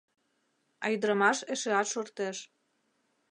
А ӱдырамаш эшеат шортеш.